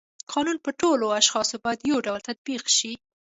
قانون په ټولو اشخاصو باید یو ډول تطبیق شي.